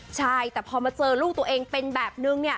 ใช่แต่พอมาเจอลูกตัวเองเป็นแบบนึง